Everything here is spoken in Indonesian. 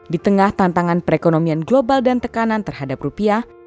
di tengah tantangan perekonomian global dan tekanan terhadap rupiah